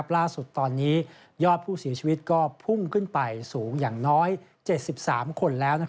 ล่าสุดตอนนี้ยอดผู้เสียชีวิตก็พุ่งขึ้นไปสูงอย่างน้อย๗๓คนแล้ว